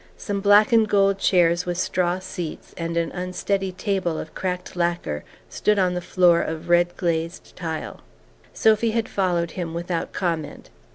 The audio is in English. Some black and gold chairs with straw seats and an unsteady table of cracked lacquer stood on the floor of red glazed tile. Sophy had followed him without comment.